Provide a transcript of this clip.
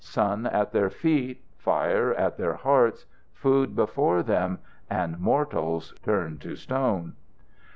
Sun at their feet, fire at their hearts, food before them, and mortals turned to stone!